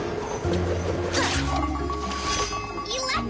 はっ！